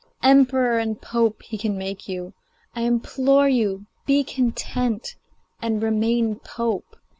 Emperor and pope he can make you. I implore you, be content and remain pope.